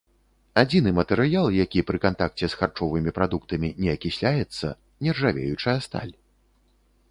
Адзіны матэрыял, які пры кантакце з харчовымі прадуктамі не акісляецца --нержавеючая сталь.